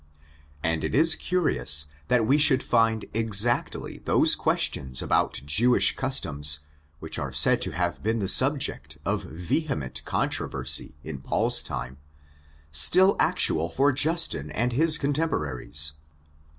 And it is curious that we should find exactly those questions about Jewish customs which are said to have been the subject of vehement controversy in Paul's time, still actual for Justin and his contemporaries.